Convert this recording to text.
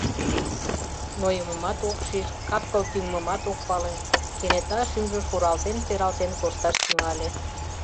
Нойымымат ок шиж, кап-кыл тӱҥмымат ок пале — кенета шӱмжӧ шуралтен-пералтен коршташ тӱҥале.